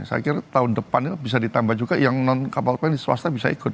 saya kira tahun depan itu bisa ditambah juga yang non kapal ini swasta bisa ikut